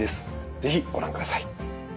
是非ご覧ください。